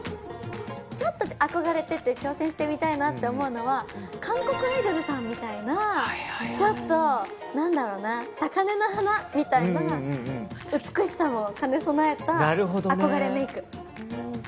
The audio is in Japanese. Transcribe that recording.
ちょっと憧れてて挑戦してみたいなと思うのは韓国アイドルさんみたいなちょっと、高嶺の花みたいな美しさを兼ね備えた憧れメイク。